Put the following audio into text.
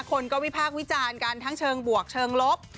คนก็วิพากษ์วิจารณ์กันทั้งเชิงบวกเชิงลบ